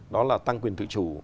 đó là tăng quyền tự chủ